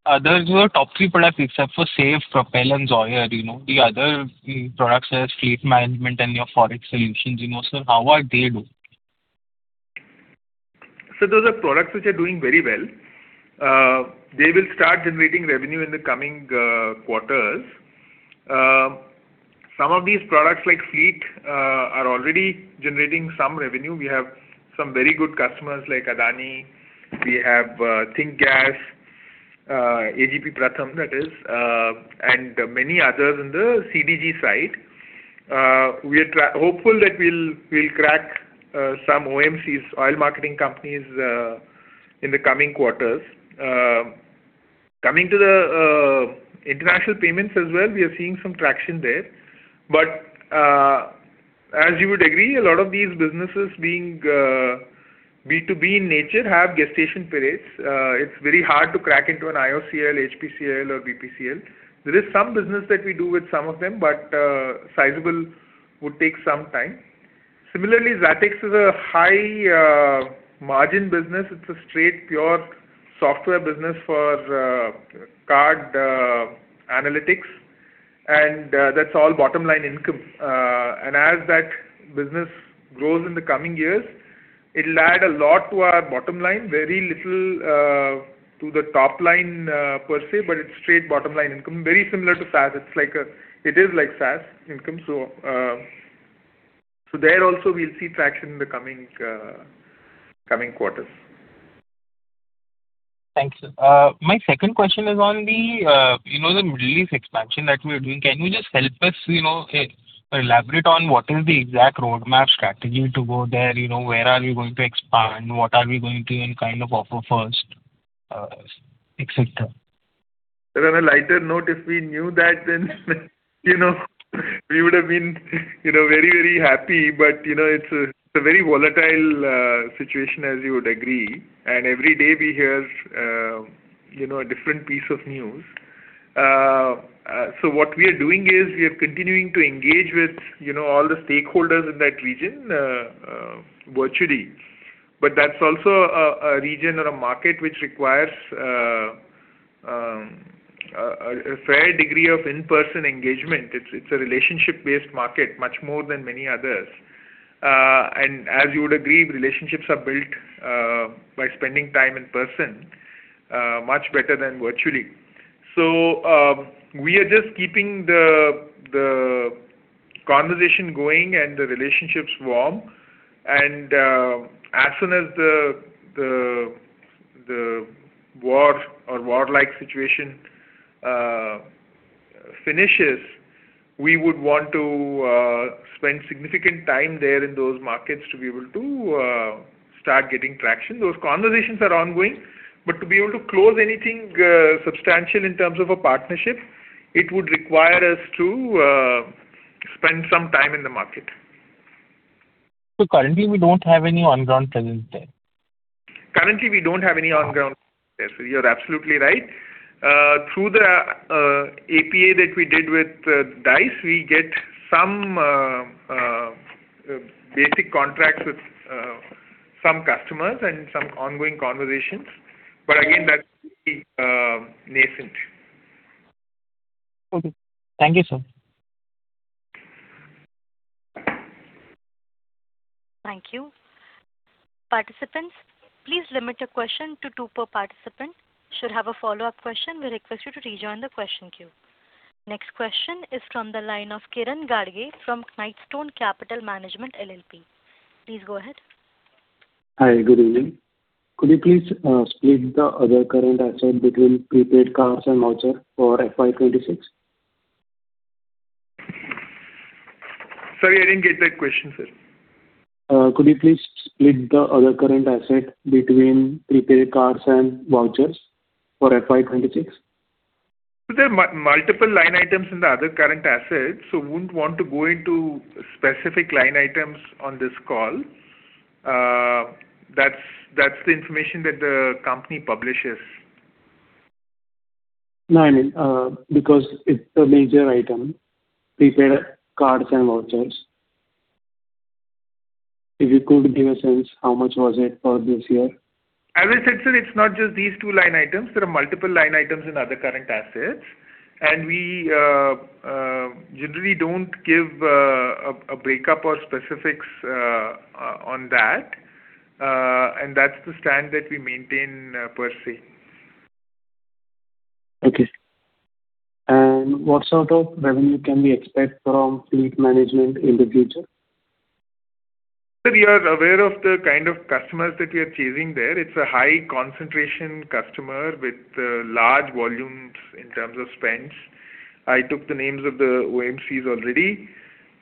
others your top three products except for SAVE, Propel, and Zoyer; you know, the other products, fleet management and your Forex solutions, you know, sir, how are they doing? Those are products which are doing very well. They will start generating revenue in the coming quarters. Some of these products, like Fleet, are already generating some revenue. We have some very good customers like Adani. We have THINK Gas and AG&P Pratham, that is, and many others in the CGD side. We are hopeful that we'll crack some OMCs, oil marketing companies, in the coming quarters. Coming to the international payments as well, we are seeing some traction there. As you would agree, a lot of these businesses being B2B in nature have gestation periods. It's very hard to crack into IOCL, HPCL, or BPCL. There is some business that we do with some of them, but sizable would take some time. Similarly, ZatiX is a high-margin business. It's a straight, pure software business for card analytics, and that's all bottom-line income. As that business grows in the coming years, it'll add a lot to our bottom line, very little to the top line, per se, but it's straight bottom-line income, very similar to SaaS. It is like SaaS income. There also we'll see traction in the coming quarters. Thanks, sir. My second question is on the, you know, the Middle East expansion that we are doing. Can you just help us, you know, elaborate on what the exact roadmap strategy is to go there? You know, where are we going to expand? What are we going to even kind of offer first, et cetera? On a lighter note, if we knew that, then, you know, we would have been, you know, very, very happy. You know, it's a very volatile situation, as you would agree. Every day we hear, you know, a different piece of news. What we are doing is we are continuing to engage with, you know, all the stakeholders in that region virtually. That's also a region or a market which requires a fair degree of in-person engagement. It's a relationship-based market much more than many others. As you would agree, relationships are built by spending time in person, much better than virtually. We are just keeping the conversation going and the relationships warm and as soon as the war or war-like situation finishes, we would want to spend significant time there in those markets to be able to start getting traction. Those conversations are ongoing, but to be able to close anything substantial in terms of a partnership, it would require us to spend some time in the market. Currently we don't have any on-ground presence there? Currently, we don't have any on-ground presence. You're absolutely right. Through the APA that we did with Dice, we get some basic contracts with some customers and some ongoing conversations. Again, that's pretty nascent Okay. Thank you, sir. Thank you. Participants, please limit your questions to two per participant. Should have a follow-up question, we request you to rejoin the question queue. Next question is from the line of Kiran Gadge from Knightstone Capital Management LLP. Please go ahead. Hi, good evening. Could you please split the other current asset between prepaid cards and vouchers for FY 2026? Sorry, I didn't get that question, sir. Could you please split the other current asset between prepaid cards and vouchers for FY 2026? There are multiple line items in the other current assets; wouldn't want to go into specific line items on this call. That's the information that the company publishes. No, I mean, because it's major items, prepaid cards and vouchers. If you could give a sense, how much was it for this year? As I said, sir, it's not just these two line items. There are multiple line items in other current assets, and we generally don't give a break-up or specifics on that, and that's the stand that we maintain per se. Okay. What sort of revenue can we expect from fleet management in the future? Sir, you are aware of the kind of customers that we are chasing there. It's a high-concentration customer with large volumes in terms of spending. I took the names of the OMCs already.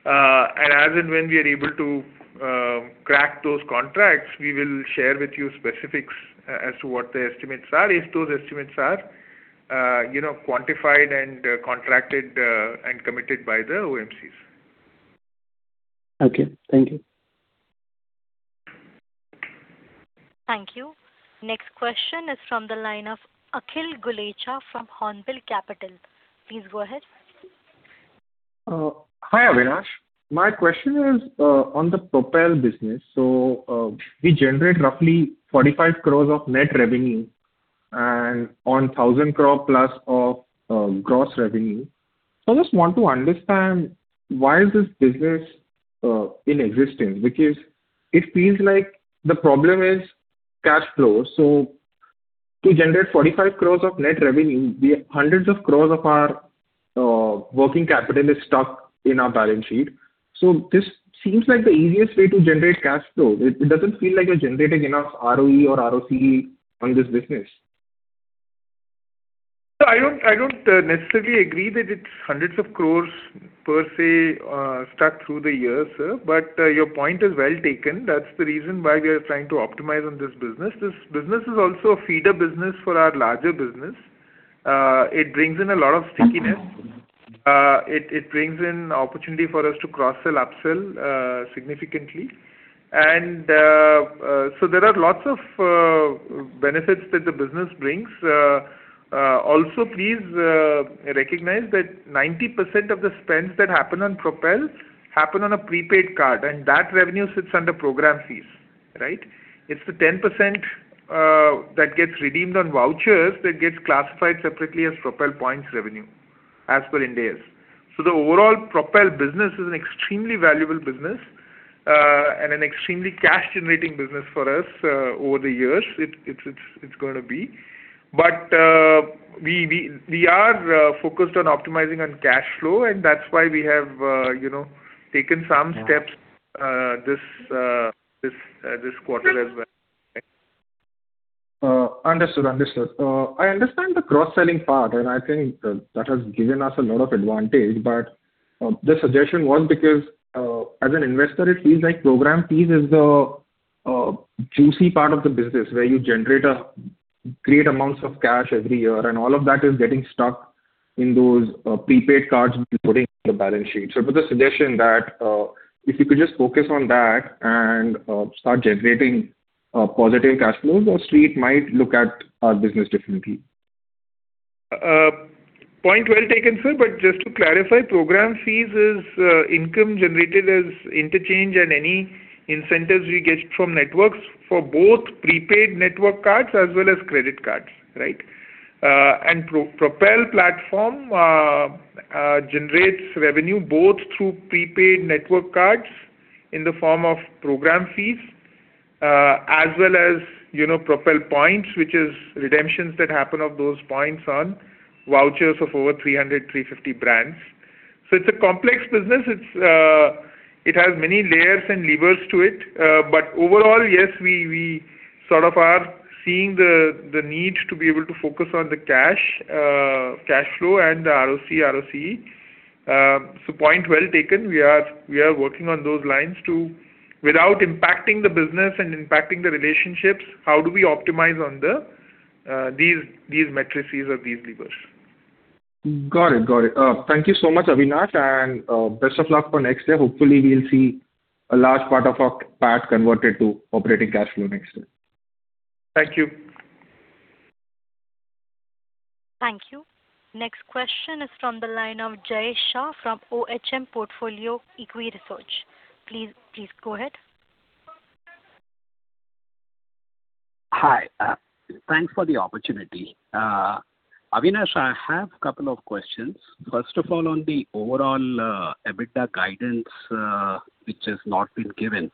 As and when we are able to crack those contracts, we will share with you specifics as to what the estimates are, if those estimates are, you know, quantified and contracted and committed by the OMCs. Okay. Thank you. Thank you. Next question is from the line of Akhil Gulecha from Hornbill Capital. Please go ahead. Hi, Avinash. My question is on the Propel business. We generate roughly 45 crores of net revenue and over 1,000+ crore of gross revenue. I just want to understand why is this business exists. Because it feels like the problem is cash flow. To generate 45 crores of net revenue, the hundreds of crores of our working capital is stuck in our balance sheet. This seems like the easiest way to generate cash flow. It doesn't feel like you're generating enough ROE or ROCE on this business. I don't necessarily agree that it's INR hundreds of crores per se stuck through the years, sir. Your point is well taken. That's the reason why we are trying to optimize on this business. This business is also a feeder business for our larger business. It brings in a lot of stickiness. It brings in opportunity for us to cross-sell, up-sell significantly. There are lots of benefits that the business brings. Also please recognize that 90% of the spends that happen on Propel happen on a prepaid card, and that revenue sits under program fees, right? It's the 10% that gets redeemed on vouchers that gets classified separately as Propel points revenue as per Ind AS. The overall Propel business is an extremely valuable business and an extremely cash-generating business for us over the years. It's gonna be. We are focused on optimizing on cash flow, and that's why we have, you know, taken some steps this quarter as well. Understood. Understood. I understand the cross-selling part, and I think that has given us a lot of advantages. The suggestion was because as an investor it feels like program fees is the juicy part of the business where you generate great amounts of cash every year, and all of that is getting stuck in those prepaid cards, loading the balance sheet. Put the suggestion that if you could just focus on that and start generating positive cash flows, Wall Street might look at our business differently. Point well taken, sir. Just to clarify, program fees is income generated as interchange and any incentives we get from networks for both prepaid network cards as well as credit cards, right? Propel platform generates revenue both through prepaid network cards in the form of program fees, as well as, you know, Propel points, which is redemptions that happen of those points on vouchers of over 300, 350 brands. It's a complex business. It has many layers and levers. Overall, yes, we sort of are seeing the need to be able to focus on the cash flow and the ROC, ROCE. Point well taken. We are working on those lines too, without impacting the business and impacting the relationships. How do we optimize on these matrices or these levers? Got it. Got it. Thank you so much, Avinash, and best of luck for next year. Hopefully, we'll see a large part of our PAT converted to operating cash flow next year. Thank you. Thank you. Next question is from the line of Jash Shah from OHM Portfolio Equity Research. Please go ahead. Thanks for the opportunity. Avinash, I have a couple of questions. First of all, on the overall EBITDA guidance, which has not been given.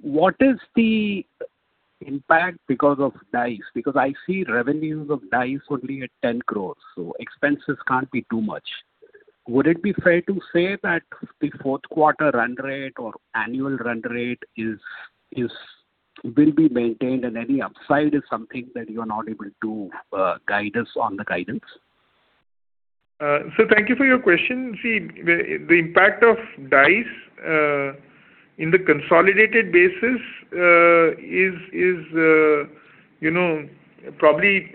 What is the impact because of Dice? Because I see revenues of Dice only at 10 crores, so expenses can't be too much. Would it be fair to say that the fourth-quarter run rate or annual run rate will be maintained and any upside is something that you are not able to guide us on in the guidance? Thank you for your question. The impact of Dice on a consolidated basis is, you know, probably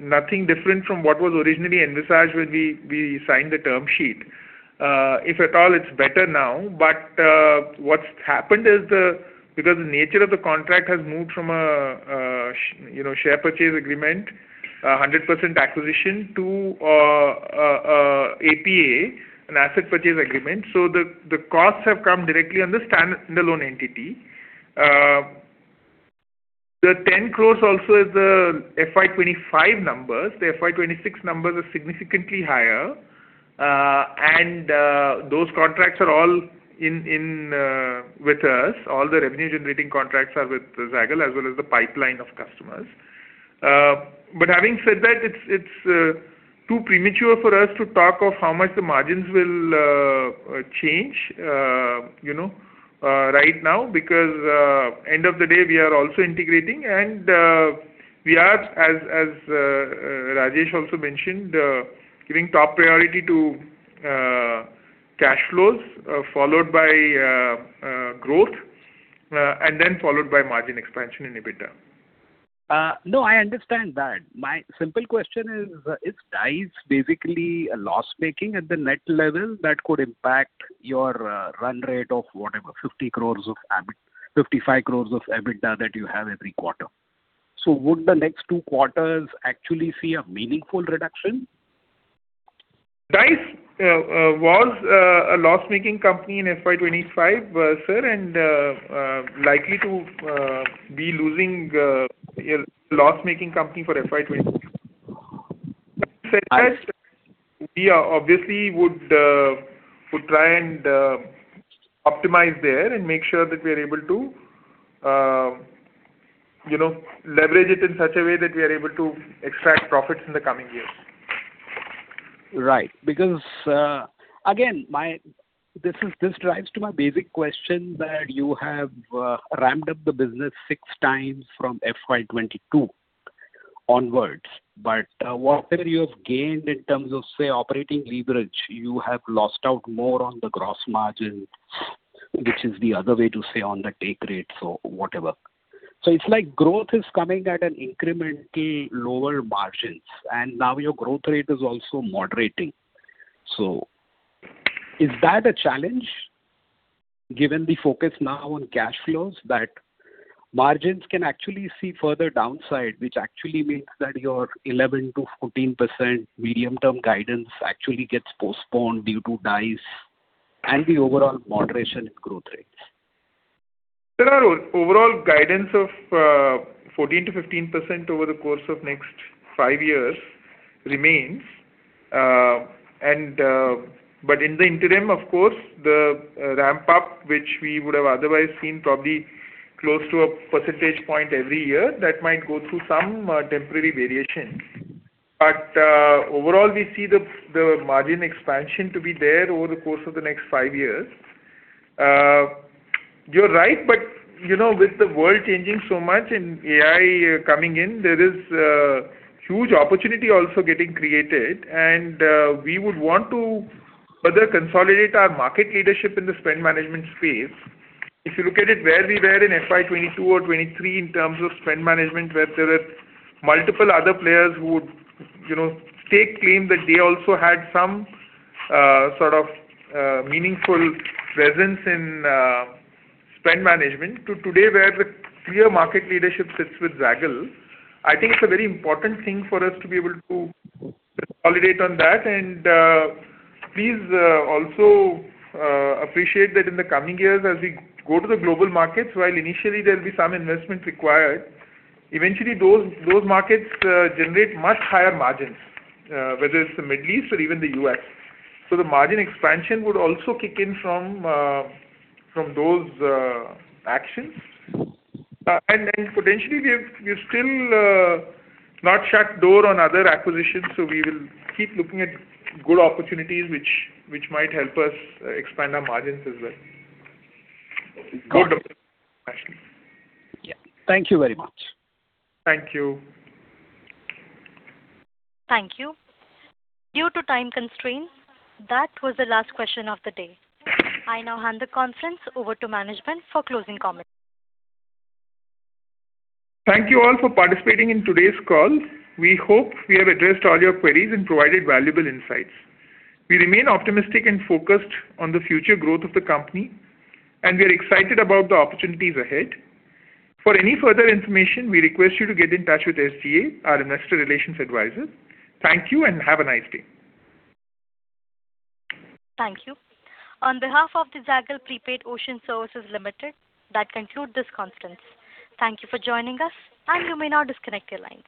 nothing different from what was originally envisaged when we signed the term sheet. If at all it's better now. What's happened is because the nature of the contract has moved from a share purchase agreement, a 100% acquisition, to an APA, an asset purchase agreement. The costs have come directly on the standalone entity. The INR 10 crores is also the FY 2025 number. The FY 2026 numbers are significantly higher. Those contracts are all with us. All the revenue-generating contracts are with Zaggle as well as the pipeline of customers. Having said that, it's too premature for us to talk of how much the margins will change, you know, right now because end of the day we are also integrating, and, as Rajesh also mentioned giving top priority to cash flows, followed by growth and then followed by margin expansion in EBITDA. No, I understand that. My simple question is, is Dice basically a loss-making at the net level that could impact your run rate of whatever 55 crore of EBITDA that you have every quarter? Would the next two quarters actually see a meaningful reduction? Dice was a loss-making company in FY 2025 and likely to be losing a loss-making company for FY 2026. I see. Having said that, we obviously would try and optimize there and make sure that we are able to, you know, leverage it in such a way that we are able to extract profits in the coming years. Right. Again, my-- This is, this drives to my basic question that you have ramped up the business 6x from FY 2022 onwards. Whatever you have gained in terms of, say, operating leverage, you have lost out more on the gross margin, which is the other way to say on the take rates or whatever. It's like growth is coming at incrementally lower margins, and now your growth rate is also moderating. Is that a challenge, given the focus now on cash flows, that margins can actually see further downside, which actually means that your 11%-14% medium-term guidance actually gets postponed due to Dice and the overall moderation in growth rates? Sir, our overall guidance of 14%-15% over the course of next five years remains. But in the interim, of course, the ramp-up, which we would have otherwise seen probably close to a percentage point every year, that might go through some temporary variation. Overall, we see the margin expansion to be there over the course of the next five years. You're right, but, you know, with the world changing so much and AI coming in, there is huge opportunity also getting created, and we would want to further consolidate our market leadership in the spend management space. If you look at it where we were in FY 2022 or 2023 in terms of spend management, where there were multiple other players who would, you know, stake claim that they also had some sort of meaningful presence in spend management to today where the clear market leadership sits with Zaggle. I think it's a very important thing for us to be able to consolidate on that. Please also appreciate that in the coming years as we go to the global markets, while initially there will be some investment required, eventually those markets generate much higher margins, whether it's the Middle East or even the U.S. The margin expansion would also kick in from those actions. Potentially we've still not shut door on other acquisitions, so we will keep looking at good opportunities which might help us expand our margins as well. Good. Okay. Yeah. Thank you very much. Thank you. Thank you. Due to time constraints, that was the last question of the day. I now hand the conference over to management for closing comments. Thank you all for participating in today's call. We hope we have addressed all your queries and provided valuable insights. We remain optimistic and focused on the future growth of the company, and we are excited about the opportunities ahead. For any further information, we request you to get in touch with SGA, our investor relations advisor. Thank you and have a nice day. Thank you. On behalf of the Zaggle Prepaid Ocean Services Limited, that conclude this conference. Thank you for joining us, and you may now disconnect your lines.